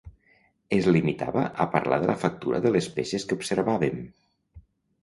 Es limitava a parlar de la factura de les peces que observàvem.